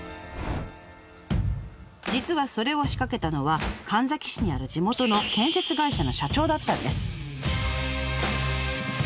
実はそれを仕掛けたのは神埼市にある地元の建設会社の社長だったんです。